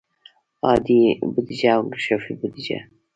عادي بودیجه او انکشافي بودیجه.